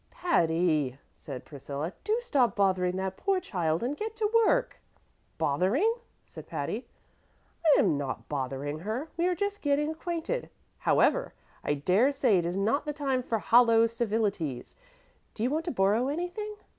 "Patty," said Priscilla, "do stop bothering that poor child and get to work." "Bothering?" said Patty. "I am not bothering her; we are just getting acquainted. However, I dare say it is not the time for hollow civilities. Do you want to borrow anything?"